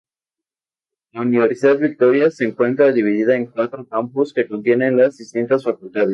La Universidad Victoria se encuentra dividida en cuatro campus que contienen las distintas facultades.